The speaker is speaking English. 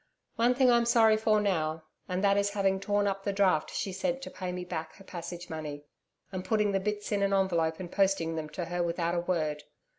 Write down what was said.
One thing I'm sorry for now, and that is having torn up the draft she sent to pay me back her passage money, and putting the bits in an envelope and posting them to her without a word.